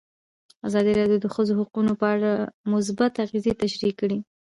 ازادي راډیو د د ښځو حقونه په اړه مثبت اغېزې تشریح کړي.